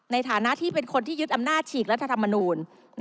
ในฐานะที่เป็นคนที่ยึดอำนาจฉีกรัฐธรรมนูล